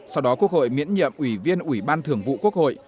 sau đó quốc hội miễn nhiệm ủy viên ủy ban thường vụ quốc hội